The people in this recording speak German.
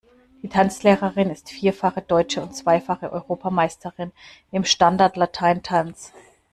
Die Tanzlehrerin ist vierfache deutsche und zweifache Europameisterin im Standart Latein Tanz.